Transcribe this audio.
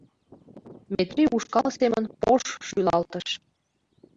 — Метрий ушкал семын пош-ш шӱлалтыш.